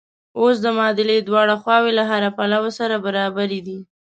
اوس د معادلې دواړه خواوې له هره پلوه سره برابرې دي.